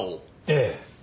ええ。